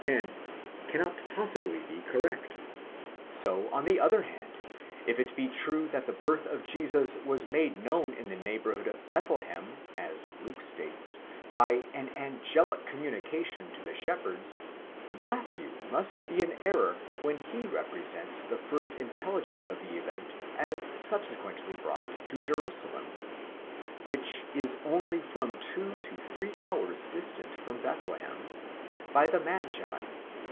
10), cannot possibly be correct. So, on the other hand, if it be true that the birth of Jesus was made known in the neighbourhood of Bethle hem as Luke states, by an angelic communication to the shepherds, Matthew must be in error when he represents the first intelligence of the event as subsequently brought to Jerusalem (which is only from two to three hours distant from Bethlehem) by the magi.